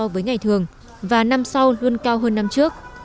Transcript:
và năm sau luôn cao hơn năm trước